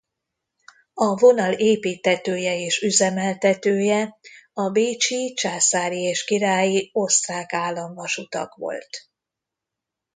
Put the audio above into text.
A vonal építtetője és üzemeltetője a bécsi Császári és Királyi Osztrák Államvasutak volt.